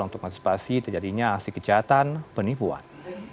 untuk mengantisipasi terjadinya aksi kejahatan penipuan